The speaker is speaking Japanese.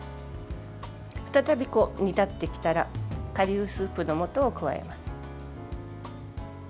再び煮立ってきたら顆粒スープの素を加えます。